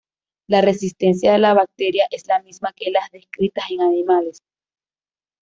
La resistencia de la bacteria es la misma que las descritas en animales.